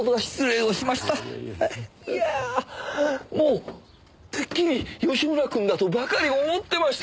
いやぁもうてっきり吉村くんだとばかり思ってました。